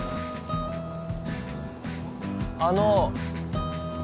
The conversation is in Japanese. ・あの。